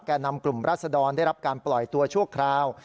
นำกลุ่มรัศดรได้รับการปล่อยตัวชั่วคราว